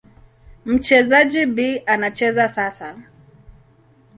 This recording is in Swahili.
Mchezaji B anacheza sasa.